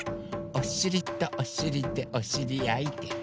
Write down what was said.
「おしりとおしりでおしりあい」